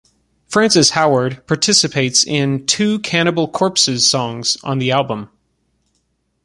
Francis Howard participates in two Cannibal Corpse’s songs on the album.